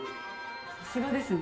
さすがですね。